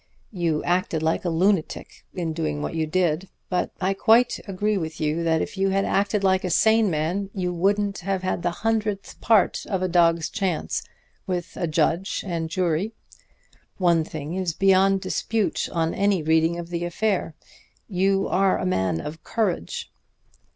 You acted like a lunatic in doing what you did; but I quite agree with you that if you had acted like a sane man you wouldn't have had the hundredth part of a dog's chance with a judge and jury. One thing is beyond dispute on any reading of the affair: you are a man of courage."